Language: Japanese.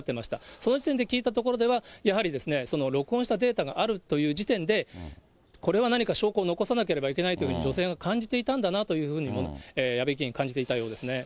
その時点で聞いたところでは、やはり録音したデータがあるという時点で、これは何か証拠を残さなければいけないというふうに女性が感じていたんだなというふうにも矢部議員、感じていたようですね。